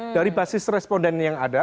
dari basis responden yang ada